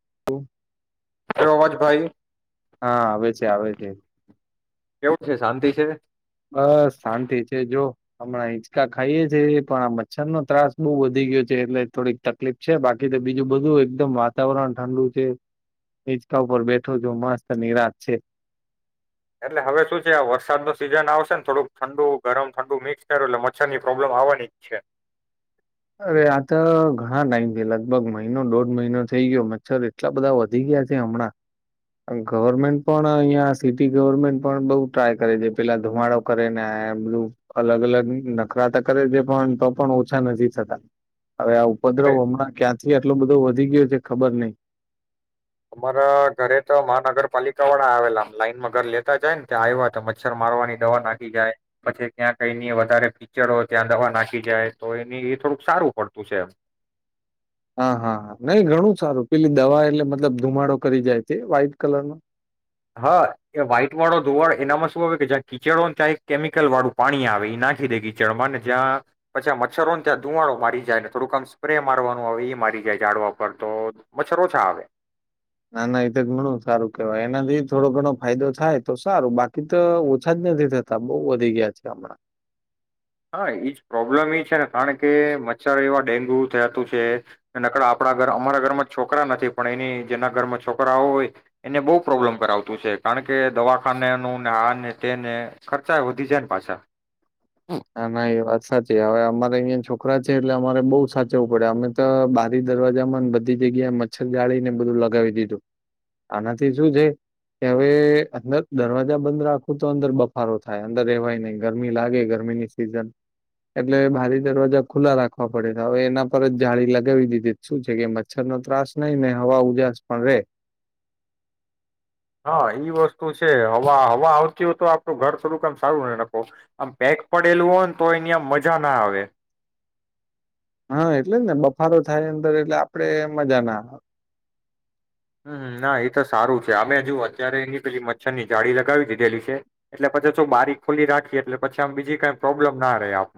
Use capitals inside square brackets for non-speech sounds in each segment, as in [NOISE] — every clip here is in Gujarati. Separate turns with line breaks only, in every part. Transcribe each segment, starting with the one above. [INAUDIBLE]
મોજ ભાઈ.
હા આવે છે આવે છે.
કેવું છે શાંતિ છે?
બસ શાંતિ છે જો. હમણાં હિંચકા ખાઈએ છે પણ આ મચ્છરનો ત્રાસ બહુ વધી ગયો છે એટલે થોડીક તકલીફ છે બાકી તો બીજું બધું એકદમ વાતાવરણ ઠંડુ છે હિંચકા ઉપર બેઠો છું મસ્ત નિરાંત છે.
એટલે હવે શું છે આ વરસાદનું સિઝન આવશેને થોડુંક ઠંડુ ગરમ ઠંડુ મિક્સ કર્યું એટલે મચ્છરની પ્રોબ્લેમ આવવાની જ છે.
અરે આ તો ઘણા ટાઈમથી લગભગ મહિનો દોઢ મહિનો થઈ ગયો મચ્છર એટલા બધા વધી ગયા છે હમણાં ગવર્મેન્ટ પણ અહિયાં સિટી ગવર્મેન્ટ પણ બઉુ ટ્રાય કરે છે પેલા ધુમાડો કરેને બધું અલગ અલગ નખરાતા કરે છે પણ તો પણ ઓછા નથી. છતાં હવે આ
અરે
ઉપદ્રવ હમણાં ક્યાં આટલો બધો વધી ગયો છે ખબર નહીં.
અમારા ઘરે તો મહાનગરપાલિકા વાળા આવેલા લાઈનમાં ઘર લેતા જાયને ત્યાં આવ્યા હતા. મચ્છર મારવાની દવા નાખી જાય. પછી ત્યાં કઈની વધારે કીચડ હોય ત્યાં દવા નાખી જાય તો એની એ થોડુંક સારું પડતું છે એમ.
હા હા નહી ઘણું સારું પેલી દવા એટલે મતલબ ધુમાડો કરી જાય છે વ્હાઈટ કલરનો.
હા એ વ્હાઈટ વાળો ધુવાળો એનામાં શું આવે કે જ્યાં કીચડોને ત્યાં એક કેમિકલ વાળું પાણી આવે એ નાખી દે કીચડમાં ને જ્યાં પછા મચ્છરોને ત્યાં ધુવાડો મારી જાય ને થોડુંક આમ સ્પ્રે મારવાનું આવે એ મારી જાય જાડવા પર તો મચ્છર ઓછા આવે.
નાના એ તો જ ઘણું સારું કેવાય એનાથી થોડો ઘણો ફાયદો થાય તો સારું બાકી તો ઓછા જ નથી થતા બહુ વધી ગયા છે હમણાં.
હા એજ પ્રોબ્લેમ એ છે ને કારણ કે મચ્છરો એવા ડેન્ગ્યુ થયાતું છે નકર આપણા ઘર અમારા ઘરમાં છોકરા નથી પણ એની જેના ઘરમાં છોકરાઓ હોય એને બહુ પ્રોબ્લેમ કરાવતું છે કારણ કે દવાખાનેનું ને આ ને તેને ખર્ચા વધી જાયને પાછા.
હા ના એ વાત સાચી હવે આમા અહીં છોકરા છે એટલે અમારે બોઉ‌ સાચવું પડે અમે તો બારી દરવાજા બધી જગ્યાએ મચ્છર જાળીને બધું લગાવી દીધું આનાથી શું છે કે હવે અંદર દરવાજા બંધ રાખો તો અંદર બફારો થાય અંદર રેવાય નહીં ગરમી લાગે ગરમીની સિઝન એટલે બારે દરવાજા ખુલ્લા રાખવા પડે છે હવે એના પર જ જાળી લગાવી દીધી શું છે કે મચ્છરનો ત્રાસ નહી ને હવા ઉજાસ પણ રે
હા ઈ વસ્તુ છે હવા હવા આવતી હોય તો આપડું ઘર થોડુંકમ સારું ને નખો આમ પેક પડેલું હોય ને તો એની આમ મજા ના આવે.
હા એટલે જ ને બફારો થાય અંદર એટલે આપડે મજા ના આ
હમ ના એ તો સારું છે અમે જુ અત્યારે એની પેલી મચ્છરની જાળી લગાવી દીધેલી છે એટલે પછી જો બારીક ખોલી રાખીએ એટલે પછી આમ બીજી કઈ પ્રોબ્લેમ ના રહે આમ.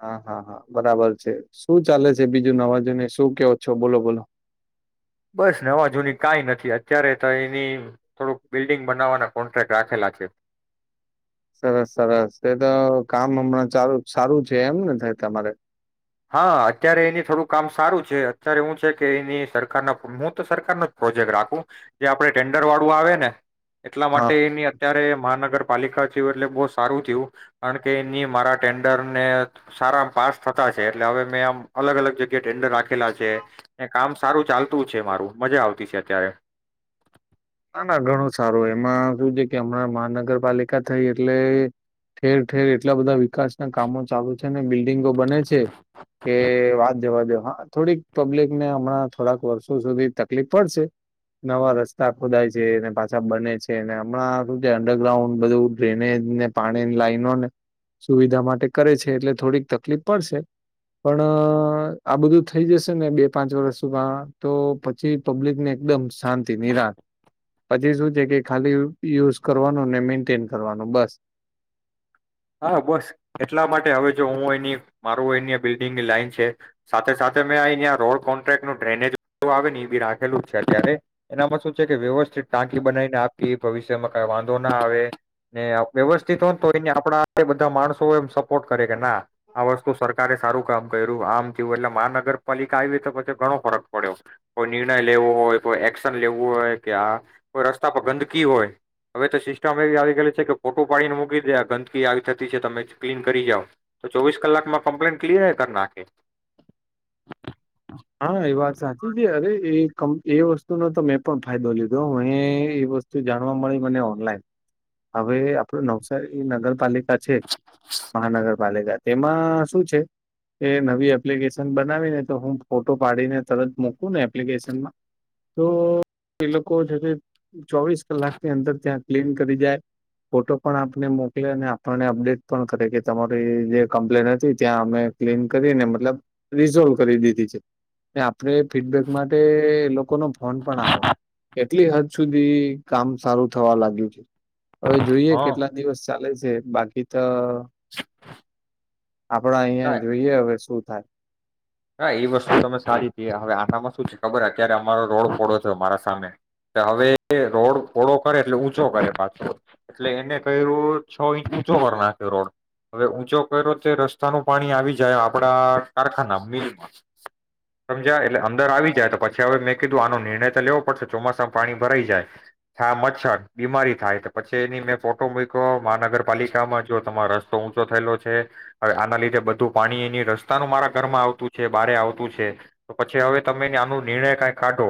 હા હા હા બરાબર છે શું ચાલે છે બીજું નવાજને શું કેવો છો બોલો બોલો.
બસ નવા જૂની કાઈ નથી અત્યારે તો એની થોડુંક બિલ્ડિંગ બનાવવાના કોન્ટ્રાક્ટ રાખેલા છે.
સરસ સરસ એ તો કામ હમણાં ચાલુ સારું છે એમને થાય તમારે.
હા અત્યારે એની થોડું કામ સારું છે અત્યારે હુ છે કે એની સરકારના હું તો સરકારનો જ પ્રોજેક્ટ રાખું જે આપડ ટેન્ડર વાળું આવેને એટલા
હા
માટે એની અત્યારે મહાનગર પાલિકા જેવુ એટલે બો સારું થીયું કારણ કે એની મારા ટેન્ડર ને સારા પાસ થતા એટલે હવે મે આમ અલગ અલગ જગ્યા ટેન્ડર રાખેલા છે એ કામ સારું ચાલતું છે મારું મજા આવતી છે અત્યારે
ના ના ઘણું સારું એમાં શું છે કે હમણાં મહાનગરપાલિકા થઈ એટલે ઠેર ઠેર એટલા બધા વિકાસ ના કામો ચાલુ છે ને બી. વિંગો બને છે કે વાત જવા દો. હા થોડીક પબ્લિક ને હમણાં થોડાક વર્ષો સુધી તકલીફ પડશે નવા રસ્તા ખોદાય છે ને પાછા બને છે ને હમણાં હારુ જે અંડરગ્રાઉન્ડ બધું ડ્રેનેજ ને પાણીની લાઈનોને સુવિધા માટે કરે છે એટલે થોડીક તકલીફ પડશે પણ આ બધું થઈ જશે ને બે પાંચ વર્ષમાં તો પછી પબ્લિક ને એકદમ શાંતિ નિરાત પછી શું છે કે ખાલી યુઝ કરવાનું ને મેન્ટેન કરવાનું બસ.
હા, બસ એટલા માટે હવે જો હું એની મારું અહીંયા બિલ્ડીંગની લાઈન છે સાથે સાથે મેં અહીંયા રોડ કોન્ટ્રાક્ટનું ડ્રેનેજ આવે ને એ બી રાખેલું જ છે અત્યારે એનામાં શું છે કે વ્યવસ્થિત ટાંકી બનાઈને આપી ભવિષ્યમાં કઈ વાંધો ના આવે ને વ્યવસ્થિત હો તો અહીંયા આપણા એ બધા માણસો એમ સપોર્ટ કરે કે ના આ વસ્તુ સરકારે સારું કામ કર્યું આમ થયું એટલે મહાનગરપાલિકા આવી તો પછી ઘણો ફરક પડ્યો કોઈ નિર્ણય લેવો હોય કોઈ એક્શન લેવું હોય કે આ કોઈ રસ્તા પર ગંદકી હોય હવે તો સિસ્ટમ એવી આવી ગલી છે કે ફોટું પાડીને મૂકી દેવ આ ગંદકી આવી થતી છે તમે ક્લીન કરી જાવ તો ચોવીસ કલાકમાં કમ્પ્લેન ક્લિયર એય કર નાખે.
હા એ વાત સાચી છે. અરે એ એ વસ્તુનો તો મેં પણ ફાયદો લીધો હ એ વસ્તુ જાણવા મળી મને ઓનલાઈન હવે આપણે નવસારી નગરપાલિકા તા છે મહાનગરપાલિકા તેમાં શું છે કે એ નવી એપ્લિકેશન બનાવીને તો હું ફોટો પાડીને તરત મોકું ને એપ્લિકેશનમાં તો એ લોકો જોજે ચોવીસ કલાક ની અંદર ત્યાં ક્લીન કરી જાય ફોટો પણ આપને મોકલે અને આપણને અપડેટ પણ કરે કે તમારી જે કમ્પ્લેન હતી ત્યાં અમે ક્લીન કરીને મતલબ રીઝોલ્વ કરી દીધી છે. આપણે ફીડબેક માટે એ લોકોનો ફોન પણ આવે એટલી હદ સુધી કામ સારું થવા લાગ્યું છે. હવે જોઈએ
હા
કેટલા દિવસ ચાલે છે બાકી તો આપડા અહિયાં જોઈએ હવે શું [UNINTELLIGIBLE]
હા એ વસ્તુ તમે સારી છે હવે આનામાં શું છે ખબર અત્યારે અમારો રોડ પહોળો થયો મારા સામે હવે રોડ ફોળો કરે એટલે ઊંચો કરે પાછો એટલે એને કર્યો છ ઇંચ ઊંચો પર નાખ્યો રોડ હવે ઊંચો કર્યો તે રસ્તાનું પાણી આવી જાય આપડા કારખાનામાં મીલમાં સમજાય એટલે અંદર આવી જાય તો પછી હવે મેં કીધું આનો નિર્ણય તો લેવો પડશે ચોમાસામાં પાણી ભરાઇ જાય થા મચ્છર બીમારી થાય તો પછી એની મેં ફોટો મૂયકો મહાનગરપાલિકામાં જો તમારો રસ્તો ઊંચો થયેલો છે હવે આના લીધે બધું પાણી અહીંયા રસ્તાનું મારા ઘરમાં આવ તું છે બારે આવતું છે તો પછી હવે તમે આનો નિર્ણય કાઈ કાઢો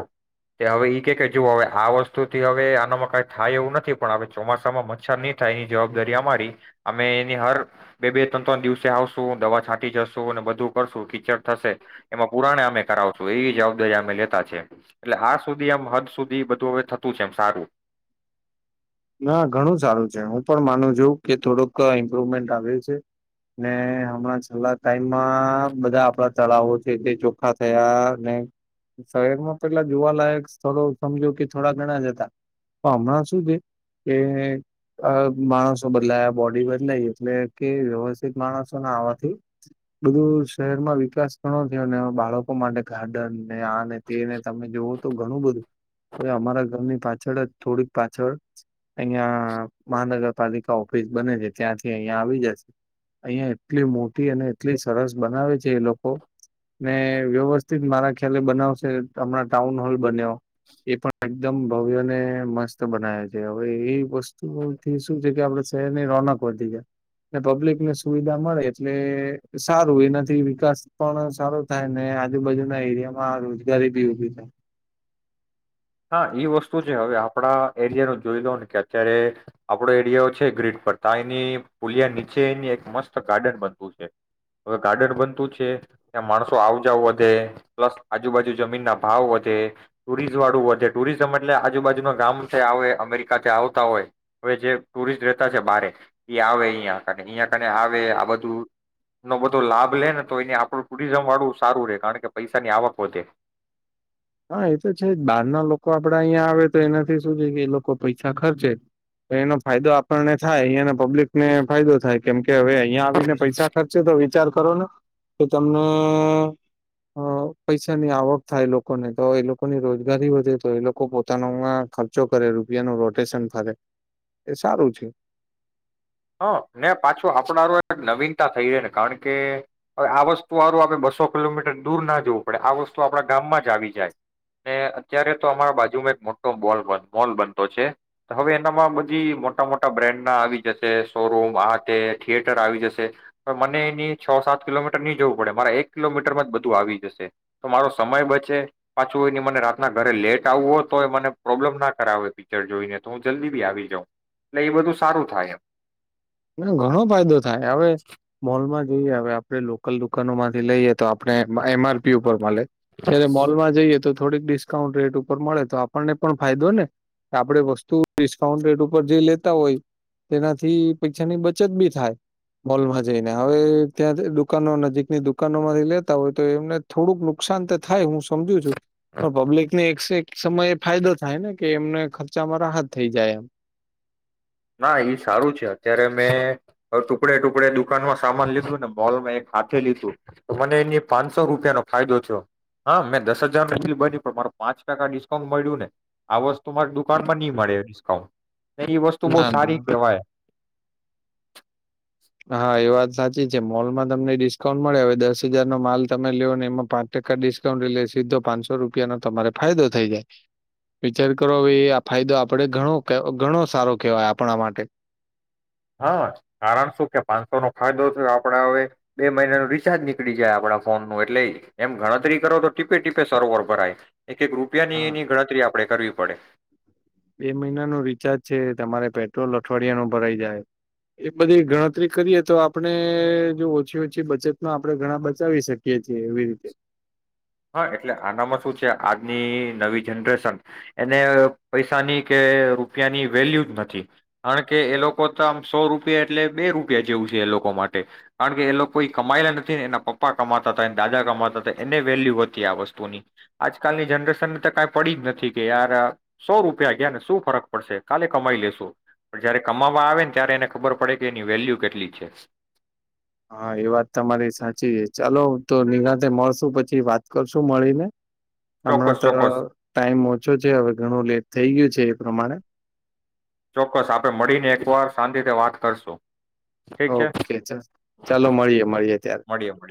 તે હવે ઈ કે જુઓ હવે આ વસ્તુથી હવે આનામાં કાઈ થાય એવું નથી પણ હવે ચોમાસામાં મચ્છર નહી થાય એની જવાબદારી અમારી અમે એની હર બે-બે ત્રણ-ત્રણ દિવસે આવશું દવા છાટી જશું અને બધું કરશું કીચડ થશે એમાં પુરાણેય અમે કરાવશું એવી જવાબદારી અમે લેતા છે એટલે આ સુધી આમ હદ સુધી બધું હવે થતું છે એમ સારું.
ના ઘણું સારું છે હું પણ માનું છું કે થોડુંક ઇમ્પ્રુવમેન્ટ આવ્યું છે ને હમણાં છેલ્લા ટાઈમમાં બધા આપણા તળાવો છે તે ચોખ્ખા થયા ને શહેરમાં પેલા જોવાલાયક સ્થળો થોડો સમજો કે થોડા ઘણા જ હતા પણ હમણાં શું છે કે આ માણસો બદલાયા બોડી બદલાઈ એટલે કે વ્યવસ્થિત માણસોને આવાથી બધું શહેરમાં વિકાસ ઘણો થયો ને બાળકો માટે ગાર્ડન ને આને તેને તમે જોવ તો ઘણું બધું હવે અમારા ઘરની પાછળ જ થોડીક પાછળ અહીંયા મહાનગરપાલિકા ઓફિસ બને છે ત્યાંથી અહિયાં આવી જશે અહિયાં એટલી મોટી અને એટલી સરસ બનાવે છે એ લોકો ને વ્યવસ્થિત મારા ખ્યાલે બનાવશે હમણાં ટાઉન હોલ બન્યો એ પણ એકદમ ભવ્યને મસ્ત બનાયો છે. હવે એ વસ્તુથી શું છે કે આપણા શહેરની રોનક વધી જાય પબ્લિકને સુવિધા મળે એટલે સારું એનાથી વિકાસ પણ સારો થાય ને આજુબાજુના એરિયામાં રોજગારી બી ઉભી થાય.
હા એ વસ્તુ છે હવે આપણા એરિયાનું જ જોઈ લો ને કે અત્યારે આપણો એરિયા છે ગ્રીટ પર તાઈની પુલિયા નીચે અહીંયા એક મસ્ત ગાર્ડન બનતું છે હવે ગાર્ડન બનતું છે ત્યાં માણસો આવજાવ વધે પ્લસ આજુબાજુ જમીનના ભાવ વધે, ટુરિઝવાળુ વધ ટુરિઝમ એટલે આજુબાજુના ગામથી આવે અમેરિકાથી આવતા હોય હવે જે ટુરિસ્ટ રહેતા છે બારે ઈ આવે અહીંયા [UNINTELLIGIBLE] અહીંયા તાણે આવે આ બધું નો લાભ લે ને તો આપણું ટુરિઝમવાળુ સારું રે કારણ કે પૈસાની આવક વધે.
હા એ તો છે જ બહાર ના લોકો આપણા અહીયાં આવે તો એનાથી શું છે કે ઈ લોકો પૈસા ખર્ચે તો એનો ફાયદો આપણને થાય અહીયાને પબ્લિકને ફાયદો થાય કેમ કે કે હવે અહીંયા આવીને પૈસા ખર્ચે તો વિ વિચાર કરો ને કે તમને પૈસાની અ આવક થાય લોક લોકોને તો એ લોકોની રોજગારી વધે તો એ લોકો પોતાનોમાં ખર્ચો કરે રૂપિયાનું રોટેશન ફરે એ સારું છે.
હા ને પાછો આપણા નવીનતા થઈએ ને કારણ કે હવે આ વસ્તુ હારુ આપણે બસો કિલોમીટર દૂર ના જવું પડે આ વસ્તુ આપડા ગામમાં જ આવી જાય ને અત્યારે તો અમારા બાજુમાં એક મોટો મોલ મોલ બનતો છે હવે એનામાં બધી મોટા મોટા બ્રાન્ડના આવી જશે. શોરૂમ આ તે થિયેટર આવી જશે તો મને એની છ સાત કિલોમીટર નહી જવું પડે મારે એક કિલોમીટરમાં જ બધું આવી જશે તો મારો સમય બચે પાછું એની મને રાતના ઘરે લેટ આવવું હોય તોય મને પ્રોબ્લેમ ના કરાવે પિક્ચર જોઈને તો હું જલ્દી બી આવી જાઉં એટલે એ બધું સારું થાય એમ.
ના ઘણો ફાયદો થાય હવે મોલમાં જોઈએ હવે આપણેે લોકલ દુકાનોમાંથી લઈએ તો આપ પણે એમ આર પી ઉપર મલે જ્યારે મોલમાં જઈએ તો થોડીક ડિસ્કાઉન્ટ રેટ ઉપર મળે તો આપણને પણ ફાયદો ને કે આપણે વસ્તુ ડિસ્કાઉન્ટ રેટ ઉપર જે લેતા હોય તેનાથી પૈસાની ની બચત બી થાય મોલમાં જાઈને હવે ત્યાં દુકાનો નજીકની દુકાનોમાંથી લેતા હોય તો એમને થોડુંક નુકસાન તો થાય હું સમજુ છું પણ પબ્લિક ને એક સમય એ ફાયદો થાય ને કે એમને ખર્ચામાં રાહત થઈ જાય એમ.
ના એ સારું છે અત્યારે મેં ટુકડે ટુકડે દુકાનમાં સામાન લીધું ને મોલમાં એક હાથે લીધું તો મને એની પાંચસો રૂપિયાનોો ફાયદો થયો હા મેં દસ હજાર ન એટલી બની પણ માર પાંચ ટકા ડિસ્કાઉન્ટ મળ્યું ને આ વસ્તુ મારી દુકાનમાં ની મળે ડિસ્કાઉન્ટ. તો
એમ
બો
ના ના
સારી કેવાય.
હા એ વાત સાચી છે મોલમાં તમને ડિસ્કાઉન્ટ મળે હવે દસ હજારનો માલ તમે લો ને એમાં પાંચ ટકા ડિસ્કાઉન્ટ એટલે સીધો પાંચસો રૂપિયાનો તમારે ફાયદો થઈ જાય વિચાર કરોવે આ ફાયદો આપણે ઘણો સારો કેહેવાય આપણા માટે.
હા કારણ શું કે પાંચસો નો ફાયદો થ આપડા હવે બે મહિના નું રિચાર્જ નીકળી જાય આપડા ફોન નું એટલે એમ ગણતરી કરો તો ટીપે ટીપે સરોવર ભરાય. એક એક
હા,
રૂપિયાનીની ગણતરી આપડે કરવી મળે
બે મહિના નું રિચાર્જ છે તમારે પેટ્રોલ અઠવાડિયા નું ભરાઈ જાય એ બધી ગણતરી કરીએ તો આપણે જો ઓછી ઓછી બચતમાં આપણે ઘણા બચાવી શકીએ છીએ એવી રીતે.
હા એટલે આનામાં શું છે આજની નવી જનરેશન એને પૈસાની કે રૂપિયાની વેલ્યુ જ નથી કારણ કે એ લોકો તો આમ સો રૂપિયા એટલે બે રૂપિયા જેવું છે એ લોકો માટે કારણ કે એ લોકો કોઈ કમાયલા નથીને એના પપ્પા કમાતા હતા દાદા કમાતા હતા એને વેલ્યુ હતી આ વસ્તુની આજકાલની જનરે
હા એ વાત તમારી સાચી છે ચાલો તો નિનાતે મળશું પછી વાત કરશું મળીને. હમણાં
ચોક્કસ
તો
ચોક્કસ
ટાઈમ ઓછો છે હવે ઘણું લેટ થઈ ગયું છે. પ્રમાણે
ચોક્કસ આપડે મળીને એકવાર શાંત રીતે વાત કરશું. ઠીક છે
ઓકે ચ ચાલો મળીએે મળીએે ત્યારે.
મળીએ મળીએ